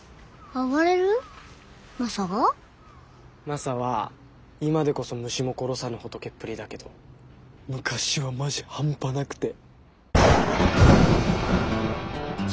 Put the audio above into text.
マサは今でこそ虫も殺さぬ仏っぷりだけど昔はマジハンパなくて。